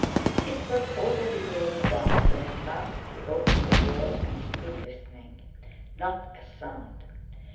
It was already growing dark when at last he opened the door, and stood listening. Not a sound!